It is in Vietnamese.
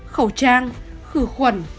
khẩu trang khử khuẩn